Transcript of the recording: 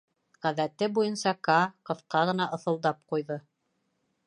— Ғәҙәте буйынса, Каа ҡыҫҡа ғына ыҫылдап ҡуйҙы.